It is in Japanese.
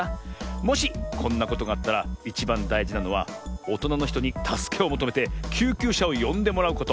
もしこんなことがあったらいちばんだいじなのはおとなのひとにたすけをもとめてきゅうきゅうしゃをよんでもらうこと。